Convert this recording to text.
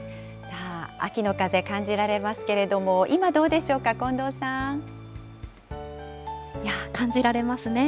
さあ、秋の風、感じられますけれども、今どうでしょうか、近藤さ感じられますね。